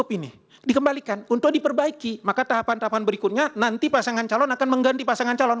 opini dikembalikan untuk diperbaiki maka tahapan tahapan berikutnya nanti pasangan calon akan mengganti pasangan calon